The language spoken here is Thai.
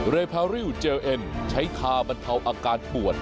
พาริวเจลเอ็นใช้คาบรรเทาอาการปวด